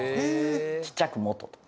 ちっちゃく「元」と。